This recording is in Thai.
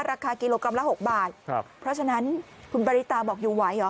ราคากิโลกรัมละ๖บาทครับเพราะฉะนั้นคุณปริตาบอกอยู่ไหวเหรอ